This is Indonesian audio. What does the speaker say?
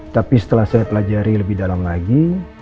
tapi setelah saya pelajari lebih dalam lagi